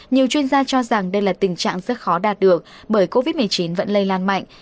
nhiều chuyên gia cho rằng đây là tình trạng rất khó đạt được bởi covid một mươi chín vẫn lây lan mạnh